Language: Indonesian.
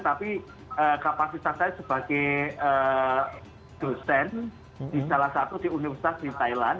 tapi kapasitas saya sebagai dosen di salah satu di universitas di thailand